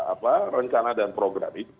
apa rencana dan program